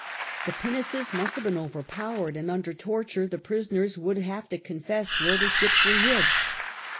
The pinnaces must have been overpowered, and under torture the prisoners would have to confess where the ships were hid.